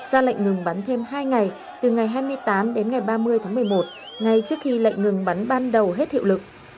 ra lệnh ngừng bắn thêm hai ngày từ ngày hai mươi tám đến ngày ba mươi tháng một mươi một ngay trước khi lệnh ngừng bắn ban đầu hết hiệu lực